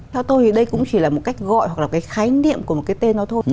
theo tôi thì đây cũng chỉ là một cách gọi hoặc là cái khái niệm của một cái tên đó thôi